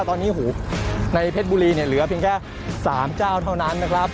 ตอนนี้หูในเพชรบุรีเนี่ยเหลือเพียงแค่๓เจ้าเท่านั้นนะครับ